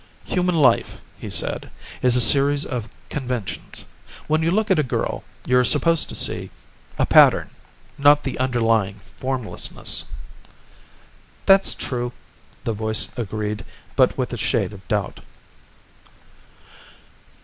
"Human life," he said, "is a series of conventions. When you look at a girl, you're supposed to see a pattern, not the underlying formlessness." "That's true," the voice agreed, but with a shade of doubt.